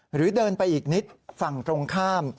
หรือเดินไปอีกนิดฝั่งตรงข้าม